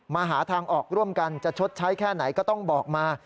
หาทางออกร่วมกันจะชดใช้แค่ไหนก็ต้องบอกมา